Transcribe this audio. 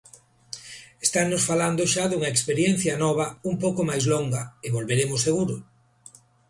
Estannos falando xa dunha experiencia nova un pouco máis longa e volveremos seguro.